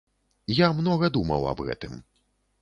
Я многа думаў аб гэтым.